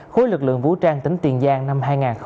khối lực lượng vũ trang tính tiền giang năm hai nghìn hai mươi